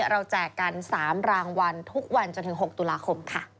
แจกกัน๓รางวัลทุกวันจนถึง๖ตุลาคมค่ะ